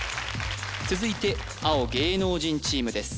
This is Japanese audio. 続いて青芸能人チームです